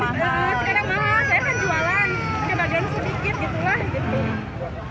kebagian sedikit gitu lah